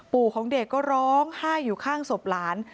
ของเด็กก็ร้องไห้อยู่ข้างศพหลาน